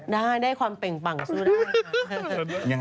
ได้ได้ความเป็นปังสู้ได้